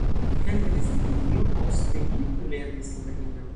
Helpe de stipendio poste li plulernis en Berlino.